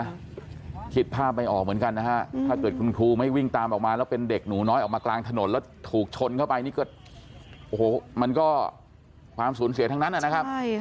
คิดภาพไม่ออกเหมือนกันนะฮะถ้าเกิดคุณครูไม่วิ่งตามออกมาแล้วเป็นเด็กหนูน้อยออกมากลางถนนแล้วถูกชนเข้าไปนี่ก็โอ้โหมันก็ความสูญเสียทั้งนั้นนะครับ